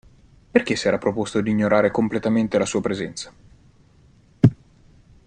Perché s'era proposto di ignorare completamente la sua presenza?